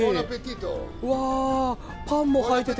うわー、パンも入って。